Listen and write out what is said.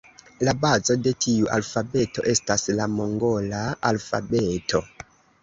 La bazo de tiu alfabeto estas la mongola alfabeto.